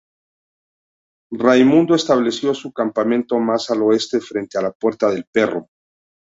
Raimundo estableció su campamento más al oeste, frente a la Puerta del Perro.